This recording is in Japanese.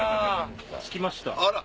着きました。